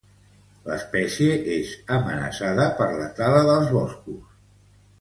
L'espècie és amenaçada per la tala dels boscos.